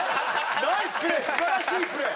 ナイスプレー素晴らしいプレー！